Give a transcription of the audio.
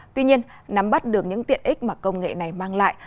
tuy nhiên nắm bắt được những tiện ích mà công nghệ này mang lại